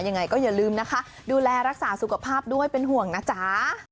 ยังไงก็อย่าลืมนะคะดูแลรักษาสุขภาพด้วยเป็นห่วงนะจ๊ะ